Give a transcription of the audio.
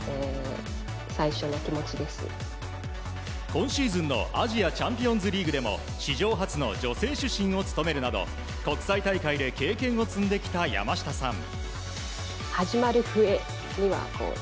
今シーズンのアジアチャンピオンズリーグでも史上初の女性主審を務めるなど国際大会で経験を積んできた山下さん。